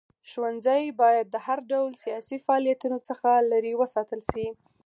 ښوونځي باید د هر ډول سیاسي فعالیتونو څخه لرې وساتل شي.